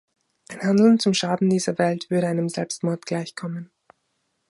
Ein Handeln zum Schaden dieser Welt würde einem Selbstmord gleichkommen.